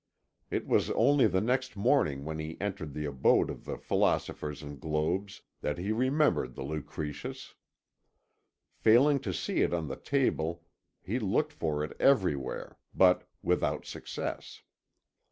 It was only the next morning when he entered the abode of the Philosophers and Globes that he remembered the Lucretius. Failing to see it on the table he looked for it everywhere, but without success.